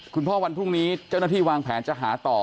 วันพรุ่งนี้เจ้าหน้าที่วางแผนจะหาต่อ